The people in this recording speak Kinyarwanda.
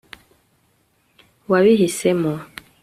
wabihisemo